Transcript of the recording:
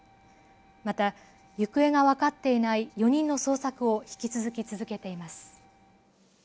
また、行方が分かっていない４人の捜索を引き続き続けています。